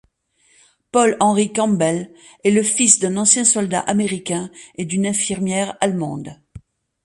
Paul-Henri Campbell est le fils d'un ancien soldat américain et d'une infirmière allemande.